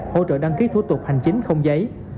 hỗ trợ đăng ký thủ tục hành chính không giấy